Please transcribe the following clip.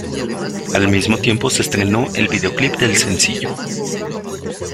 Al mismo tiempo se estrenó el videoclip del sencillo.